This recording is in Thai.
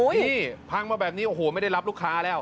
นี่พังมาแบบนี้โอ้โหไม่ได้รับลูกค้าแล้ว